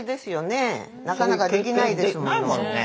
なかなかできないですもの。